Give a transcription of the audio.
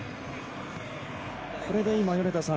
これで米田さん